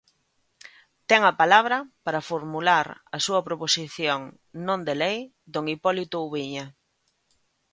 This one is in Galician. Ten a palabra, para formular a súa proposición non de lei, don Hipólito Ubiña.